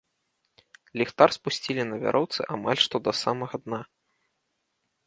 Ліхтар спусцілі на вяроўцы амаль што да самага дна.